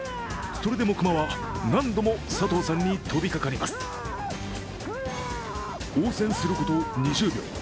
それでも熊は何度も佐藤さんに飛びかかります応戦すること２０秒。